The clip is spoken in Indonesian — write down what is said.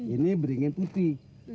ini beringin putih